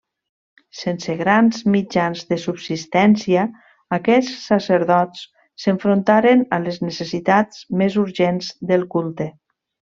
Sense grans mitjans de subsistència, aquests sacerdots s'enfrontaren a les necessitats més urgents del culte.